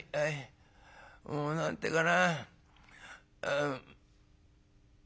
もう何て言うかな」。